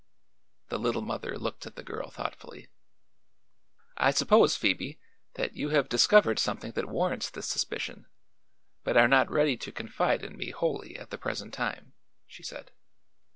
The Little Mother looked at the girl thoughtfully. "I suppose, Phoebe, that you have discovered something that warrants this suspicion, but are not ready to confide in me wholly at the present time," she said.